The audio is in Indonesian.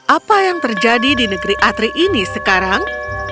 apa yang terjadi di negeri atri ini sekarang